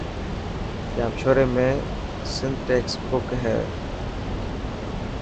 ڄامشوري ۾ سنڌ ٽيڪسٽ بڪ هي.